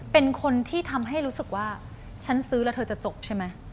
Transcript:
เป็นคนที่ทำให้รู้สึกว่าฉันซื้อแล้วเธอจะจบใช่ไหม